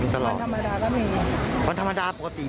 ต่ำไม่มีนะมาลำเองบ้าง